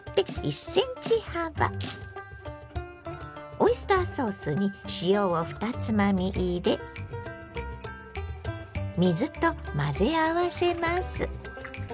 オイスターソースに塩を２つまみ入れ水と混ぜ合わせます。